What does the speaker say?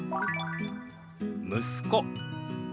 「息子」。